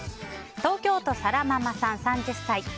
東京都、３０歳の方。